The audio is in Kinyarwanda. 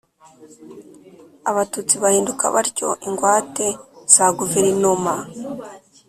abatutsi bahinduka batyo ingwate za guverinoma